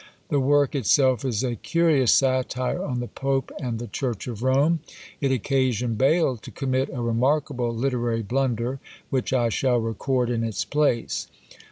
The work itself is a curious satire on the Pope and the Church of Rome. It occasioned Bayle to commit a remarkable literary blunder, which I shall record in its place.